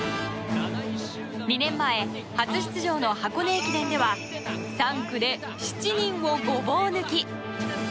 ２年前、初出場の箱根駅伝では３区で７人をごぼう抜き。